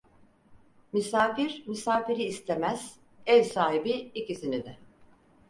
Misafir misafiri istemez, ev sahibi ikisini de.